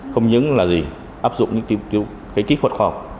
không những là gì áp dụng những kỹ thuật khó